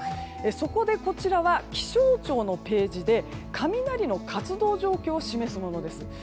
そこでこちらは気象庁のページで雷の活動状況を示すものです。